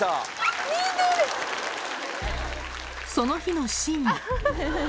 その日の深夜。